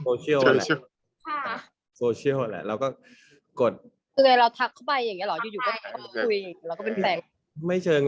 พี่จริงก็เจอช่วงโควิดใช่มั้ยแล้วก็ในโปรเชียลแหละเราก็กด